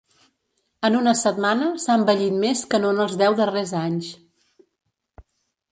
En una setmana s'ha envellit més que no en els deu darrers anys.